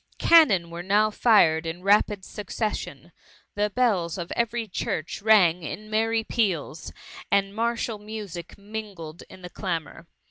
Cannon were now fired in rapid succession; the bells of every church rang in merry peals, and martial music mingled in the clamour.